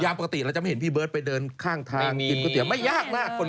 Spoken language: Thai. ยามปกติก็จะไม่เห็นพี่เบิร์ทไปเดินข้างทางไม่ยากมาก